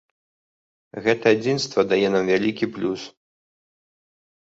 Гэта адзінства дае нам вялікі плюс.